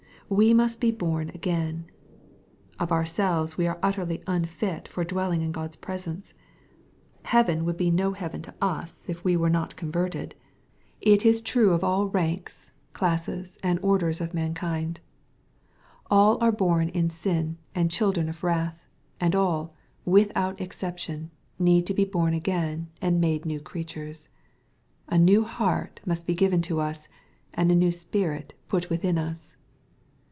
" We must be born again." Of ourselves we are utterly unfit for dwelling in God's presence. Heaven would be no heaven to us if 220. ISXPOSITOBT THOUQHTS. we were not converted. It is true of all ranks, classeSi and orders of mankind. All are born in sin and children of wrath, and all, without exception, need to be boru again and made new creatures. A new heart must be given to us, and a new spirit put within us.